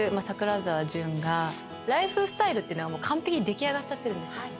桜沢純がライフスタイルっていうのが完璧に出来上がっちゃってるんですよ。